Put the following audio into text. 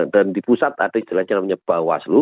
dan di pusat ada jelajah namanya bawaslu